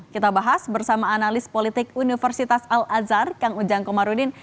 kita bahas bersama analis politik universitas al azhar kang ujang komarudin